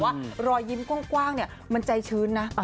มีแบบว่ารอยยิ้มกว้างเนี่ยเข้าใจชื้นนะ